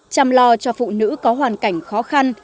chăm lo cho phụ nữ có hoàn cảnh khó khăn